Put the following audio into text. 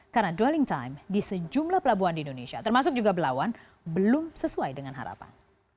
karena dwelling time di sejumlah pelabuhan di indonesia termasuk juga belawan belum sesuai dengan harapan